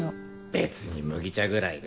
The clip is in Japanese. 別に麦茶ぐらいで。